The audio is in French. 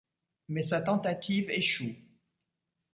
Mais sa tentative échoue.